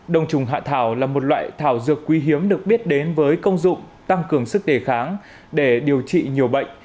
đồng trùng hạ thảo là một loại thảo dược quý hiếm được biết đến với công dụng tăng cường sức đề kháng để điều trị nhiều bệnh